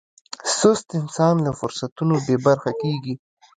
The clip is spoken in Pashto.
سست انسان له فرصتونو بې برخې کېږي.